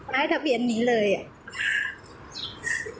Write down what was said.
ให้ทะเบียนนี้เลยอ่ะ